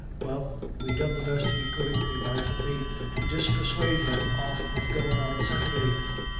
"Well, we done the best we could, me wife and me, to dispersuade him off of goin' on Saturday.